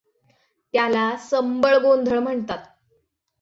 त्याला संबळ गोंधळ म्हणतात.